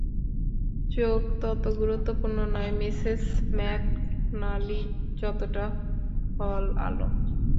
চোখ তত গুরুত্বপূর্ণ নয় মিসেস ম্যাকনালি, যতটা হল আলো।